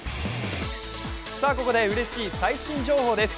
ここでうれしい最新情報です。